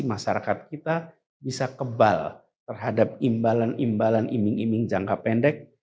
masyarakat kita bisa kebal terhadap imbalan imbalan iming iming jangka pendek